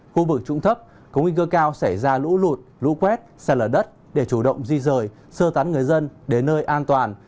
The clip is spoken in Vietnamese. khu vực trũng thấp có nguy cơ cao xảy ra lũ lụt lũ quét sạt lở đất để chủ động di rời sơ tán người dân đến nơi an toàn